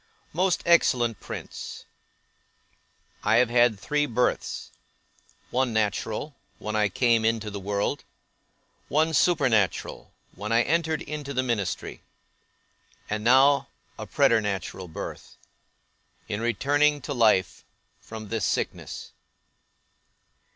MOST EXCELLENT PRINCE, I have had three births; one, natural, when I came into the world; one, supernatural, when I entered into the ministry; and now, a preternatural birth, in returning to life, from this sickness.